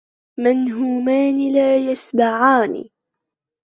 مَنْهُومَانِ لَا يَشْبَعَانِ